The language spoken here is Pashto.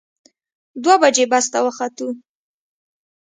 دوه بجې بس ته وختو.